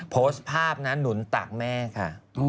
โพสต์ภาพนะหนุนตากแม่ค่ะ